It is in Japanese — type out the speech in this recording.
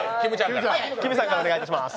きむさんからお願いします。